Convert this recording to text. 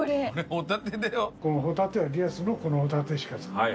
ホタテはリアスのこのホタテしか使わない。